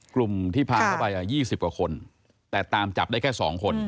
กลุ่มที่พาเข้าไป๒๐กว่าคนแต่ตามจับได้แค่๒คน